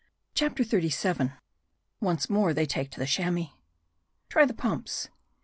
CHAPTER XXXVII; ONCE MORE THEY TAKE TO THE CHAMOIS. TRY the pumps.